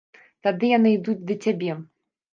Тады яны ідуць да цябе!